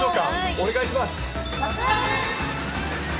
お願いします。